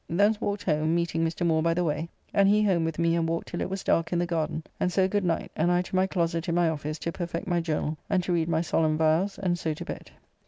Thence walked home, meeting Mr. Moore by the way, and he home with me and walked till it was dark in the garden, and so good night, and I to my closet in my office to perfect my Journall and to read my solemn vows, and so to bed.